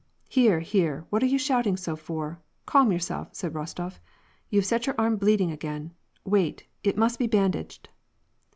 "Here, here, what are you shouting so for? Calm your self," said Rostof. "You've set your arm bleeding again. Wait, it must be bandaged."